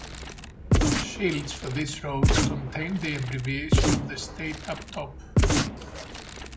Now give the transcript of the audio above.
Shields for these roads contain the abbreviation of the state up top.